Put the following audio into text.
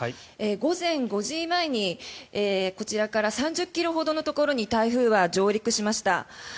午前５時前にこちらから３０ｋｍほどのところに台風は上陸しました。